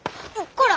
こら！